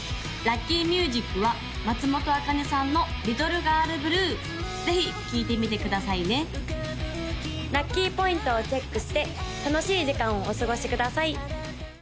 ・ラッキーミュージックは松本茜さんの「ＬｉｔｔｌｅＧｉｒｌＢｌｕｅ」ぜひ聴いてみてくださいね・ラッキーポイントをチェックして楽しい時間をお過ごしください！